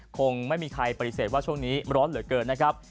คงไม่มีใครปฏิเสธว่าช่วงนี้ร้อนเหลือเกินนะครับ